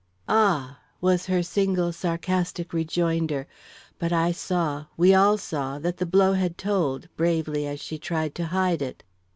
"Ah!" was her single sarcastic rejoinder; but I saw we all saw that the blow had told, bravely as she tried to hide it.